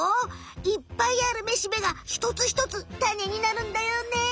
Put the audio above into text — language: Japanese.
いっぱいあるめしべがひとつひとつタネになるんだよね。